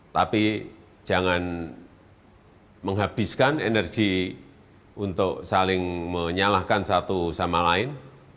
tapi jangan menghabiskan energi untuk saling menyalahkan satu sama lain